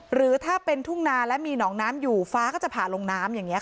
หรือถ้าเป็นทุ่งนาและมีหนองน้ำอยู่ฟ้าก็จะผ่าลงน้ำอย่างนี้ค่ะ